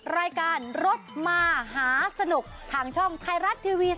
รายการรถมหาสนุกทางช่องไทยรัฐทีวี